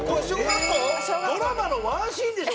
ドラマのワンシーンでしょ？